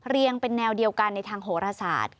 เรียงเป็นแนวเดียวกันในทางโหรศาสตร์